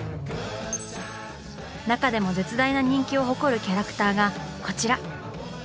中でも絶大な人気を誇るキャラクターがこちら！